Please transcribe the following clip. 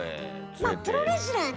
まあプロレスラーね